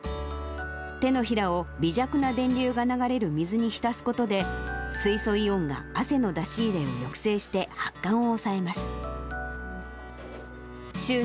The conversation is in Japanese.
手のひらを微弱な電流が流れる水に浸すことで、水素イオンが汗の出し入れを抑制して、発汗を抑えます。